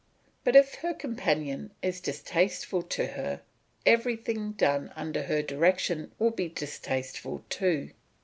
But if her companion is distasteful to her, everything done under her direction will be distasteful too.